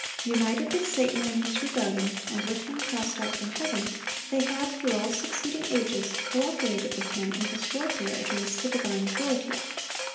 United with Satan in his rebellion, and with him cast out from heaven, they have, through all succeeding ages, co operated with him in his warfare against the divine authority.